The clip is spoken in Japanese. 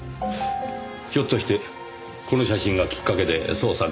ひょっとしてこの写真がきっかけで捜査が？